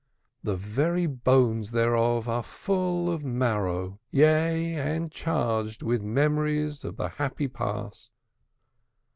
The very bones thereof are full of marrow, yea and charged with memories of the happy past.